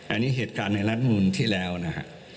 อันนี้เหตุการณ์ในรัฐมนุนที่แล้วนะฮะ